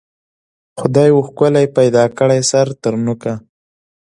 خدای وو ښکلی پیدا کړی سر تر نوکه